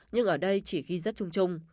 nhưng ở đây chỉ ghi rất chung chung